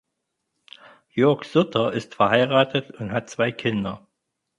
Jörg Sutter ist verheiratet und hat zwei Kinder.